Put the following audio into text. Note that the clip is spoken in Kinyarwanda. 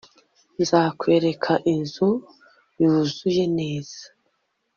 nzakwereka inzu yuzuye neza